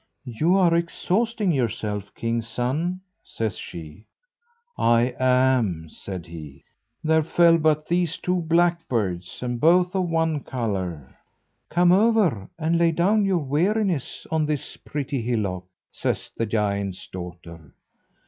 "You are exhausting yourself, king's son," says she. "I am," said he. "There fell but these two blackbirds, and both of one colour." "Come over and lay down your weariness on this pretty hillock," says the giant's daughter.